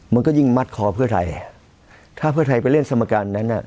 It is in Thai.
มันก็ยิ่งมัดคอเพื่อไทยถ้าเพื่อไทยไปเล่นสมการนั้นอ่ะ